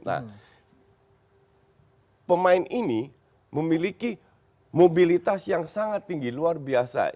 nah pemain ini memiliki mobilitas yang sangat tinggi luar biasa